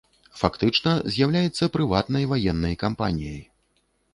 Фактычна, з'яўляецца прыватнай ваеннай кампаніяй.